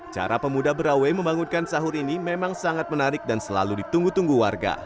cara pemuda berawai membangunkan sahur ini memang sangat menarik dan selalu ditunggu tunggu warga